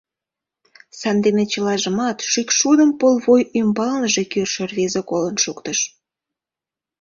Сандене чылажымат шӱкшудым пулвуй ӱмбалныже кӱршӧ рвезе колын шуктыш.